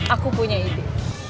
aku punya ide